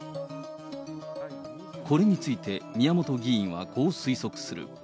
これについて宮本議員はこう推測する。